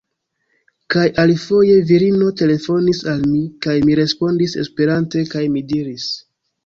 Kaj alifoje, virino telefonis al mi, kaj mi respondis Esperante, kaj mi diris: